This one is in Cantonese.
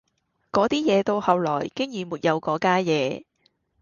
嗰啲嘢到後來經已沒有嗰家野